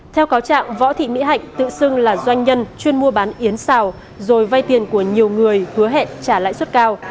theo cáo trạng võ thị mỹ hạnh tự xưng là doanh nhân chuyên mua bán yến xào rồi vay tiền của nhiều người hứa hẹn trả lãi suất cao